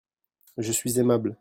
Je suis aimable.